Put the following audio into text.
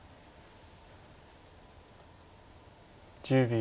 １０秒。